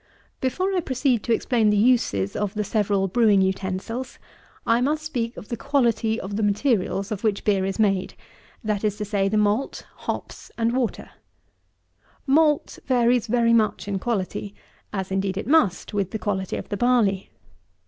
37. Before I proceed to explain the uses of the several brewing utensils, I must speak of the quality of the materials of which beer is made; that is to say, the malt, hops, and water. Malt varies very much in quality, as, indeed, it must, with the quality of the barley.